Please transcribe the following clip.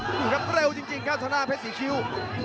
ดูครับเร็วจริงครับธนาเพชรสีคิ้ว